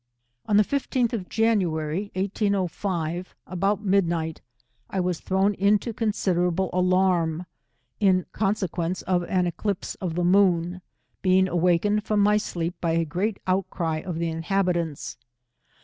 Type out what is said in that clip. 165 Oa the 15th of January, 1805, about midnight, I was thrown into consiJerable alarm, in conse quence of an eclipse of the moon, being awakened from my sleep by a great outcry of the inhabitants.